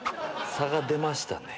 差が出ましたね。